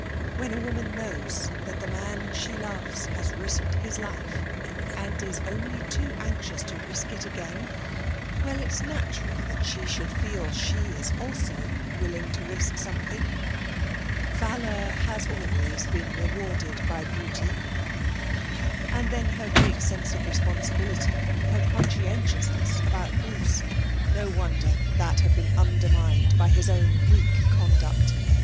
When a woman knows that the man she loves has risked his life, and is only too anxious to risk it again well, it's natural that she should feel she is also willing to risk something. Valour has always been rewarded by beauty. And then her great sense of responsibility, her conscientiousness about Bruce no wonder that had been undermined by his own weak conduct.